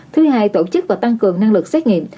thứ hai tổ chức và tăng cường năng lực xét nghiệm